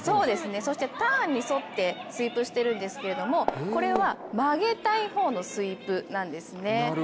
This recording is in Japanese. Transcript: そしてターンに沿って、スイープしているんですけれども、これは曲げたい方のスイープなんですね。